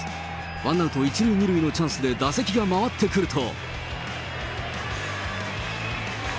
ワンアウト１塁２塁のチャンスで打席が回ってくると。